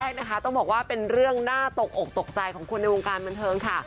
ใช่นะคะต้องบอกว่าเป็นเรื่องน่าตกอกตกใจของคนในวงการบันเทิงค่ะ